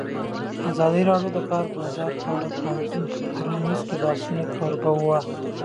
ازادي راډیو د د کار بازار په اړه د پرانیستو بحثونو کوربه وه.